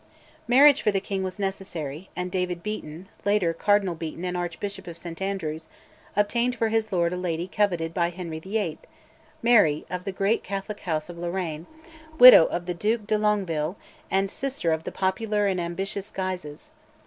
Marriage for the king was necessary, and David Beaton, later Cardinal Beaton and Archbishop of St Andrews, obtained for his lord a lady coveted by Henry VIII., Mary, of the great Catholic house of Lorraine, widow of the Duc de Longueville, and sister of the popular and ambitious Guises.